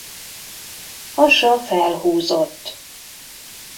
Hasa felhúzott.